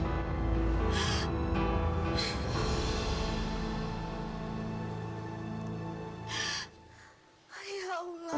ya allah ya tuhan